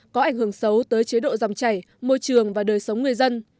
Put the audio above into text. có ảnh hưởng xấu tới chế độ dòng chảy môi trường và đời sống người dân